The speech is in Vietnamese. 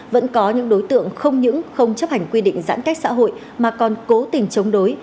vẫn có những đối tượng không những không chấp hành quy định giãn cách xã hội mà còn cố tình chống đối